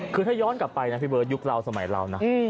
คือถ้าย้อนกลับไปนะพี่เบิร์ดยุคเราสมัยเรานะ